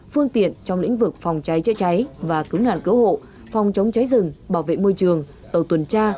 phương tiện trong lĩnh vực phòng cháy chữa cháy và cứu nạn cứu hộ phòng chống cháy rừng bảo vệ môi trường tàu tuần tra